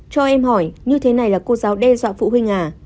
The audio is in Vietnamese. cho em hỏi như thế này là cô giáo đe dọa phụ huynh à